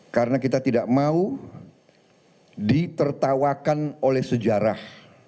karena kita tidak mau ditertawakan oleh sejarah